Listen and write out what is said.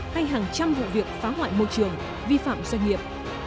hay hàng trăm vụ việc phá hoại môi trường vi phạm doanh nghiệp